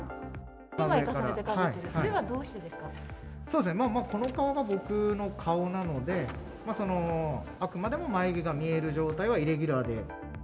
２枚重ねてかぶっているのは、もう、この顔が僕の顔なので、あくまでも眉毛が見える状態はイレギュラーで。